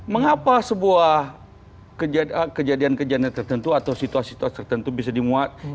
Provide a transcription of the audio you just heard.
mengapa sebuah kejadian kejadian tertentu atau situasi situasi tertentu bisa dimuat